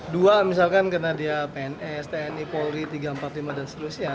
dua misalkan karena dia pns tni polri tiga ratus empat puluh lima dan seterusnya